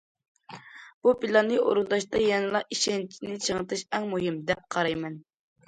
بۇ پىلاننى ئورۇنداشتا يەنىلا ئىشەنچنى چىڭىتىش ئەڭ مۇھىم، دەپ قارايمەن.